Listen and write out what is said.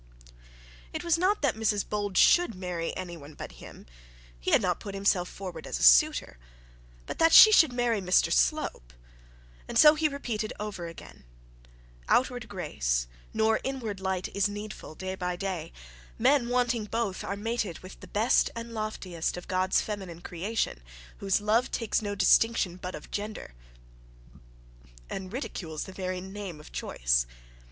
It was not that Mrs Bold should marry any one but him; he had not put himself forward as a suitor; but that she should marry Mr Slope and so he repeated over and over again: Outward grace Nor inward light is needful day by day Men wanting both are mated with the best And loftiest of God's feminine creation, Whose love takes no distinction but of gender And ridicules the very name of choice.